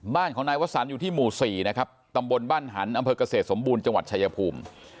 บ้านของนายวสันอยู่ที่หมู่๔นะครับตำบลบ้านหันอำเภอกเกษตรสมบูรณ์จังหวัดชายภูมิ